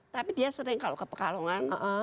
tapi dia sering kalau ke pekalongan